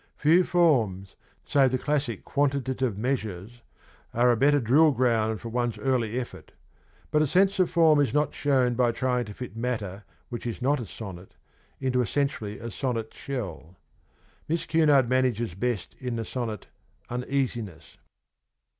Few forms, save the classic quantitive measures, are a better drill ground for one's early effort, but a sense of form is not shown by trying to fit matter which is not a sonnet into essentially a sonnet shell. Miss Cunard manages best in the sonnet ' Uneasiness.'